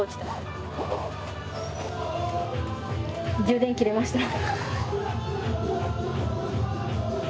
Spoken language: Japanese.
充電切れました。